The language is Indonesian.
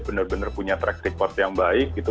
bener bener punya track record yang baik itu